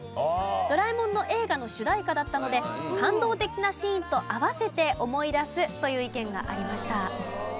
『ドラえもん』の映画の主題歌だったので感動的なシーンと合わせて思い出すという意見がありました。